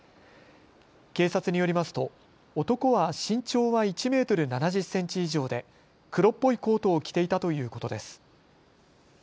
警察によりますと男は身長は１メートル７０センチ以上で黒っぽいコートを着ていたということです。